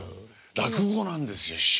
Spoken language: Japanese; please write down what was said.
落語なんですよ師匠。